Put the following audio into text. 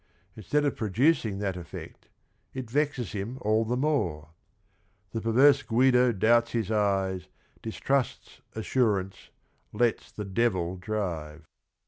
Inst ead of prod ucing that effect, i t vexes him all the more . "The perverse Guido doubts his eyes, Distrusts assurance, lets the devil drive."